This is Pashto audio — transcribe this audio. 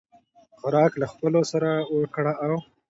خوراک له خپلو سره وکړه او